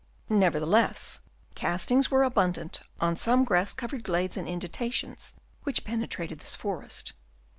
Nevertheless, castings were abun dant on some grass covered glades and in dentations which penetrated this forest.